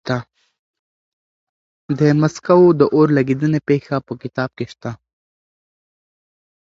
د مسکو د اور لګېدنې پېښه په کتاب کې شته.